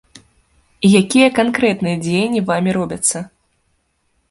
Якія канкрэтныя дзеянні вамі робяцца?